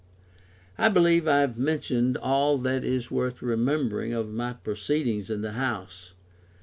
] I believe I have mentioned all that is worth remembering of my proceedings in the House.